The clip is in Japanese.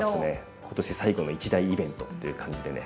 今年最後の一大イベントという感じでね。